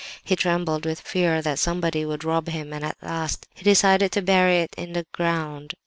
He trembled with fear that somebody would rob him, and at last he decided to bury it in the ground.